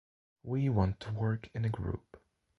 We want to work in a group.